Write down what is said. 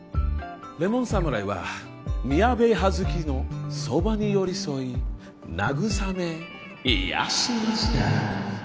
レモン侍は宮部羽月のそばに寄り添い慰め癒しました。